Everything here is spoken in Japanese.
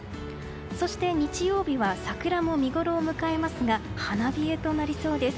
そして日曜日は桜を見ごろを迎えますが花冷えとなりそうです。